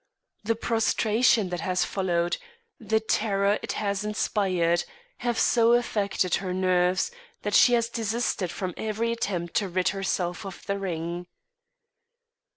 The prostration that has followed, the terror it has inspired, have so affected her nerves, that she has desisted from every attempt to rid herself of the ring.